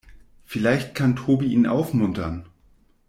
Vielleicht kann Tobi ihn aufmuntern.